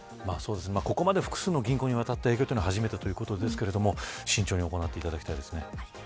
ここまで複数の銀行への影響は初めてだと思いますが慎重に行っていただきたいですね。